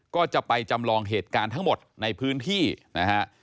ก็จะไปจำลองเหตุการณ์ทั้งหมดในพื้นที่นะฮะ